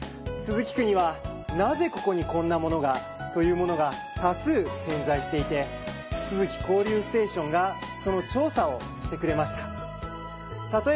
都筑区には「なぜここにこんなものが？」というものが多数点在していてつづき交流ステーションがその調査をしてくれました。